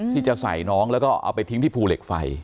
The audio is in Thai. ที่จะใส่น้องแล้วก็เอาไปทิ้งที่ภูเหล็กไฟ